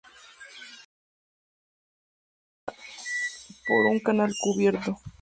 La calle central era drenada por un canal cubierto.